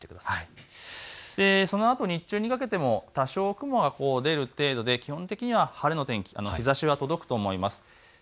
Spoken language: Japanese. そのあと日中にかけても多少雲が出る程度で基本的には晴れの天気、日ざしが届くと思います。